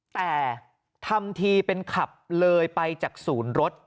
แต่ทำทีเป็นขับเลยไปจากศูนย์รถ